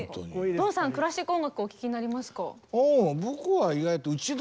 ドンさんはクラシック音楽お聴きになりますか？